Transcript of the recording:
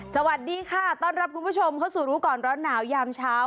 สวัสดีค่ะต้อนรับคุณผู้ชมเข้าสู่รู้ก่อนร้อนหนาวยามเช้า